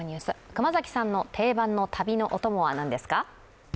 熊崎さんの定番の旅のお供は何ですか？